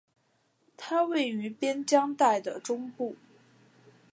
它位于边疆带的中部。